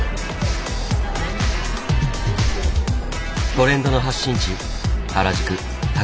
トレンドの発信地